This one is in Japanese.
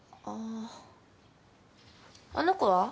あの子は？